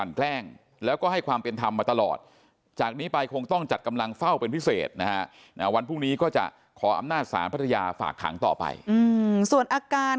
พันธุ์ตำรวจเอกธนพงศ์โภทิรักษาราชการแทนภูมิกับ